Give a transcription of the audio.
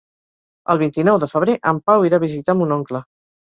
El vint-i-nou de febrer en Pau irà a visitar mon oncle.